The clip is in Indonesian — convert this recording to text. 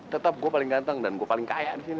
tetap gue paling ganteng dan gue paling kaya di sini